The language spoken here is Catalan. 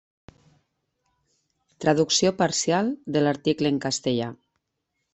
Traducció parcial de l'article en castellà.